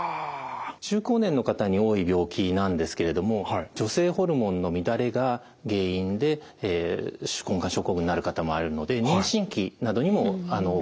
中高年の方に多い病気なんですけれども女性ホルモンの乱れが原因で手根管症候群になる方もあるので妊娠期などにも起こったりします。